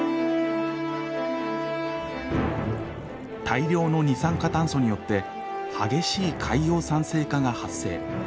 大量の二酸化炭素によって激しい海洋酸性化が発生。